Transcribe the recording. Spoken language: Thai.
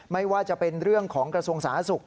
ไม่ว่าจะเป็นเรื่องของกระทรวงศาสตร์ศุกร์